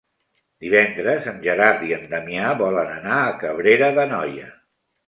Divendres en Gerard i en Damià volen anar a Cabrera d'Anoia.